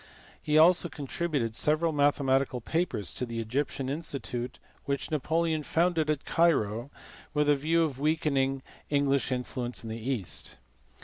He also contributed several mathematical papers to the Egyptian In stitute which Napoleon founded at Cairo with a view of weakening English influence in the East.